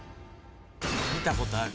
見たことある？